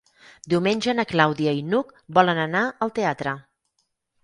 Diumenge na Clàudia i n'Hug volen anar al teatre.